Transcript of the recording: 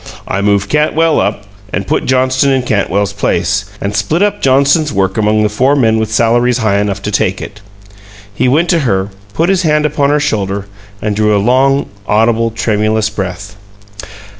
"I moved Cantwell up, and put Johnston in Cantwell's place, and split up Johnston's work among the four men with salaries high enough to take it." He went to her, put his hand upon her shoulder, and drew a long, audible, tremulous breath.